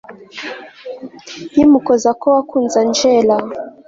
nkimukoza ko wakunze angella